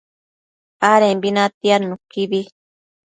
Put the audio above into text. adembi natiad nuquibi